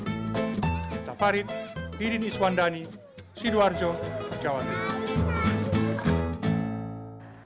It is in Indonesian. dari tafarid didin iswandani sidoarjo jawa tenggara